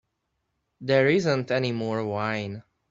There isn't any more wine.